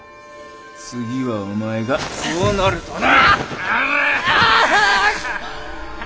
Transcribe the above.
次はお前がこうなるとな。